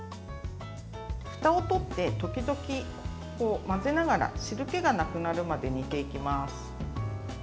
ふたを取って、時々混ぜながら汁けがなくなるまで煮ていきます。